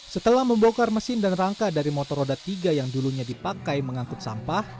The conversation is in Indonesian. setelah membongkar mesin dan rangka dari motor roda tiga yang dulunya dipakai mengangkut sampah